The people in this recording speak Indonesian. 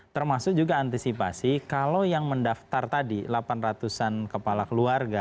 termasuk juga antisipasi kalau yang mendaftar tadi delapan ratus an kepala keluarga